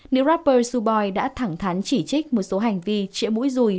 nữ rapper suboi đã thẳng thắn chỉ trích một số hành vi triệu mũi dùi